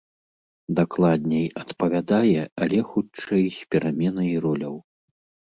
Дакладней, адпавядае, але, хутчэй, з пераменай роляў.